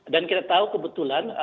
dan kita tahu kebetulan